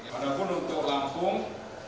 walaupun untuk lampung